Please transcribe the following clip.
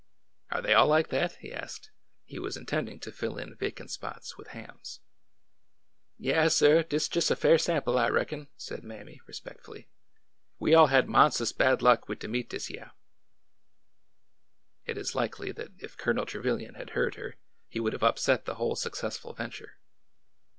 Are they all like that ?" he asked. He was intending to fill in vacant spots with hams. '' Yaassir, dis jes' a fair sample, I reckon," said Mammy, respectfully. '' We all had mons'us bad luck wid de meat dis yeah." It is likely that if Colonel Trevilian had heard her, he would have upset the whole successful venture.